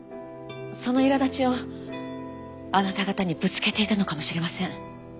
そのいら立ちをあなた方にぶつけていたのかもしれません。